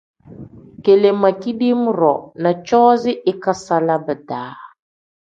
Kele ma kidiim-ro na coozi ikasala bidaa.